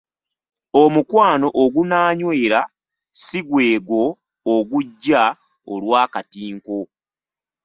Omukwano ogunaanywera si gwe gwo ogujja olw’akatinko.